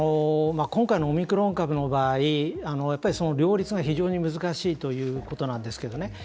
今回のオミクロン株の場合その両立が非常に難しいということなんですけどね。